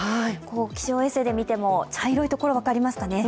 気象衛星で見ても茶色いところ分かりますかね。